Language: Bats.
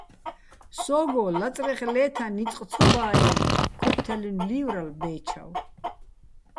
სო́გო ლაწრეხ ლე́თაჼ ნიწყ ცო ბააჲნო̆, - ქოთთჲალინო̆ ლი́ვრალო̆ ბეჩავ.